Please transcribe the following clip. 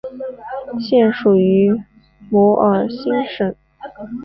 现属于梅尔辛省。